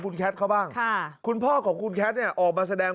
คุณแคทเขาบ้างคุณพ่อของคุณแคทเนี่ยออกมาแสดง